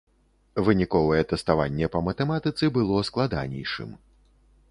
Выніковае тэставанне па матэматыцы было складанейшым.